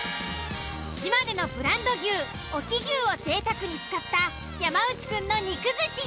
島根のブランド牛隠岐牛を贅沢に使った山内くんの肉寿司。